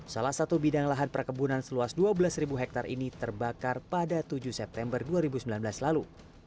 salah satu bidang lahan perkebunan seluas dua belas hektare ini terbakar pada tujuh september dua ribu sembilan belas lalu